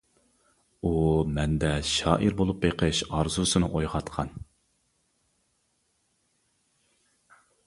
ئۇ مەندە «شائىر بولۇپ بېقىش» ئارزۇسىنى ئويغاتقان.